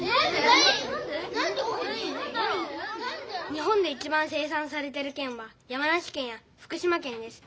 日本でいちばん生さんされてるけんは山梨けんや福島けんです。